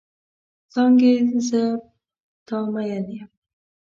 څانګې زه پر تا مئن یم.